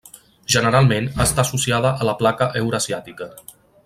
Generalment està associada a la placa eurasiàtica.